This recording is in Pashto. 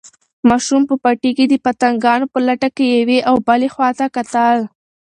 ماشوم په پټي کې د پتنګانو په لټه کې یوې او بلې خواته کتل.